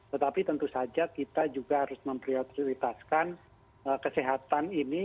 tetapi tentu saja kita juga harus memprioritaskan kesehatan ini